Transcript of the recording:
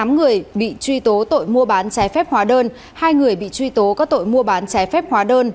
sáu mươi tám người bị truy tố tội mua bán trái phép hóa đơn hai người bị truy tố có tội mua bán trái phép hóa đơn